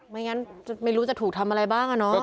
ไม่งั้นไม่รู้จะถูกทำอะไรบ้างอะเนาะ